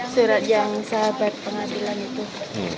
surat yang sahabat pengadilan itu